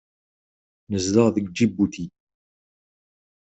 Nezdeɣ deg Ǧibuti.